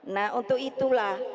nah untuk itulah